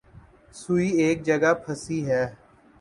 سوئی ایک جگہ پھنسی ہے۔